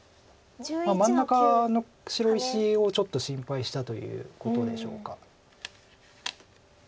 真ん中の白石をちょっと心配したということでしょうか。